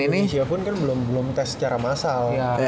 karena indonesia pun kan belum tes secara massal